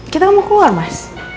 kita mau keluar mas